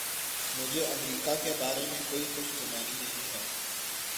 مجھے امریکہ کے بارے میں کوئی خوش گمانی نہیں ہے۔